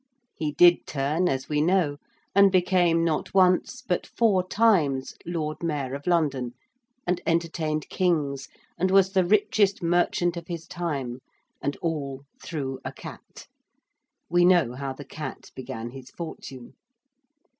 He did turn, as we know, and became not once, but four times Lord Mayor of London and entertained kings, and was the richest merchant of his time. And all through a cat we know how the cat began his fortune.